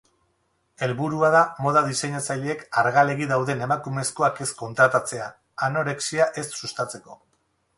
Helburua da moda diseinatzaileek argalegi dauden emakumezkoak ez kontratatzea, anorexia ez sustatzeko.